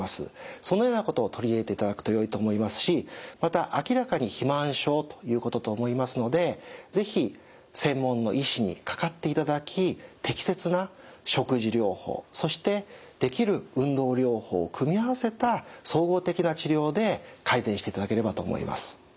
そのようなことを取り入れていただくとよいと思いますしまた明らかに肥満症ということと思いますので是非専門の医師にかかっていただき適切な食事療法そしてできる運動療法を組み合わせた総合的な治療で改善していただければと思います。